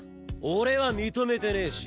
俺は認めてねえし。